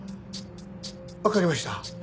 わかりました。